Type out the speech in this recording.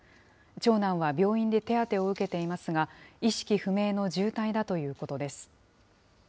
長男は病院で手当てを受けていますが、意識不明の重体だということです。